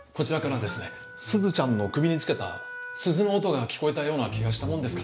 すずちゃんの首につけた鈴の音が聞こえたような気がしたもんですから。